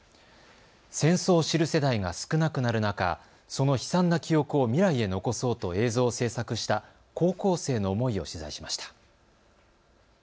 戦争を知る世代が少なくなる中、その悲惨な記憶を未来へ残そうと映像を制作した高校生の思いを取材しました。